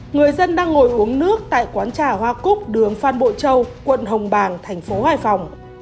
người dân đang ngồi uống nước tại quán trà hoa cúc đường phan bộ châu quận hồng bàng thành phố hải phòng